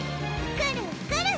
くるくる！